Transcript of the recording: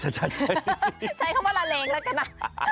ใช้คำว่าลาเรนก็เลยกันนะ